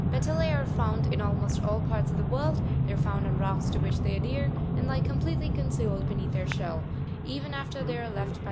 Patellee are found in almost all parts of the world; they are found on rocks to which they adhere, and lie completely concealed beneath their shell, even after they are left by the ebbing sea.